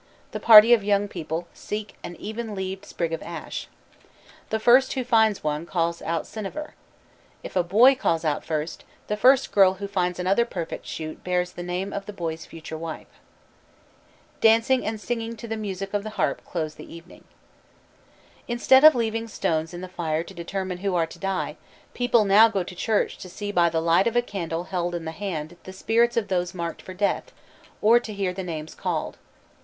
The party of young people seek an even leaved sprig of ash. The first who finds one calls out "cyniver." If a boy calls out first, the first girl who finds another perfect shoot bears the name of the boy's future wife. Dancing and singing to the music of the harp close the evening. Instead of leaving stones in the fire to determine who are to die, people now go to church to see by the light of a candle held in the hand the spirits of those marked for death, or to hear the names called.